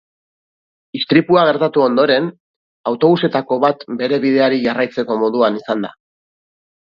Istripua gertatu ondoren, autobusetako bat bere bideari jarraitzeko moduan izan da.